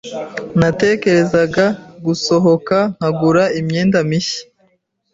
Natekerezaga gusohoka nkagura imyenda mishya.